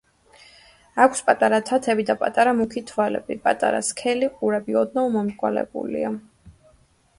აქვს პატარა თათები და პატარა მუქი თვალები, პატარა, სქელი, ყურები ოდნავ მომრგვალებულია.